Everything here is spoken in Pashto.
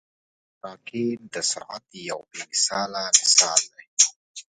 راکټ د سرعت یو بې مثاله مثال دی